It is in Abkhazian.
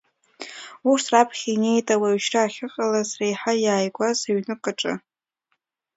Урҭ раԥхьа инеит ауаҩшьра ахьыҟалаз реиҳа иааигәаз ҩнык аҿы.